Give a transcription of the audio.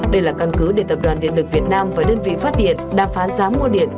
đây là căn cứ để tập đoàn điện lực việt nam và đơn vị phát điện đàm phán giá mua điện